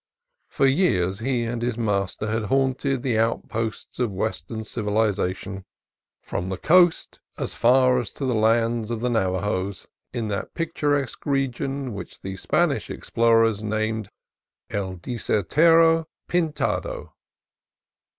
For years he and his master had haunted the outposts of Western civilization, from the coast as far as to the lands of the Navajos and Moquis, in that picturesque region which the OUR HORSES AND EQUIPMENT 3 Spanish explorers named El Desierto Pintado.